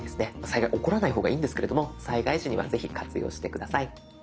災害は起こらない方がいいんですけれども災害時にはぜひ活用して下さい。